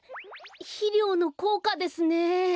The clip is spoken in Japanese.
ひりょうのこうかですね。